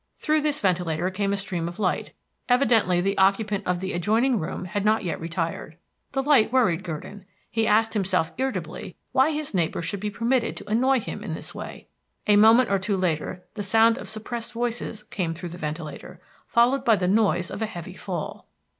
Through this ventilator came a stream of light; evidently the occupant of the adjoining room had not yet retired. The light worried Gurdon; he asked himself irritably why his neighbor should be permitted to annoy him in this way. A moment or two later the sound of suppressed voices came through the ventilator, followed by the noise of a heavy fall.